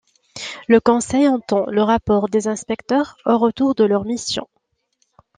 Le conseil entend le rapport des inspecteurs, au retour de leur mission.